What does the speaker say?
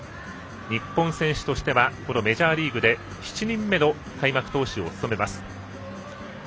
日本選手としてはこのメジャーリーグで７人目の開幕投手を務めます。